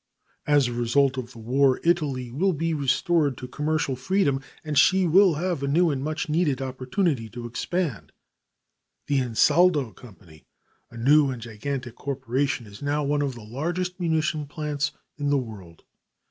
As a result of the war Italy will be restored to commercial freedom and she will have a new and much needed opportunity to expand. The Ansaldo Company, a new and gigantic corporation, is now one of the largest munition plants in the world.